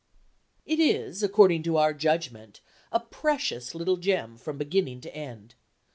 "It is, according to our judgment, a precious little gem, from beginning to end.